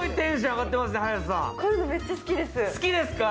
こういうの、めっちゃ好きです。